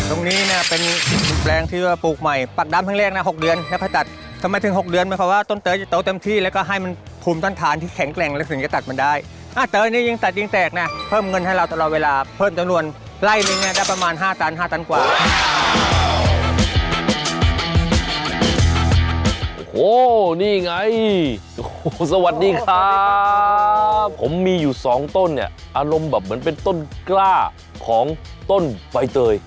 โอ้โหนี่ไงโอ้โหสวัสดี้ค่ะผมมีอยู่สองต้นเนี่ยอารมณ์แบบมันเป็นต้นกล้าของต้นไบเตย